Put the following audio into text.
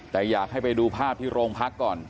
แต่อยากให้ไปดูภาพที่โรงพักก่อน